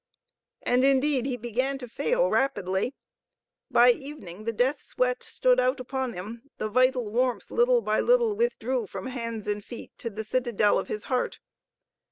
And, indeed, he began to fail rapidly. By evening the death sweat stood out upon him, the vital warmth little by little withdrew from hands and feet to the citadel of his heart.